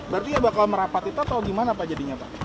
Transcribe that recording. berarti bakal merapat itu atau gimana pak jadinya pak